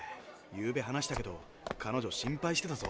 ゆうべ話したけど彼女心配してたぞ。